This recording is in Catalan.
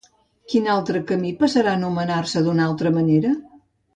Quin altre camí passarà a anomenar-se d'una altra manera?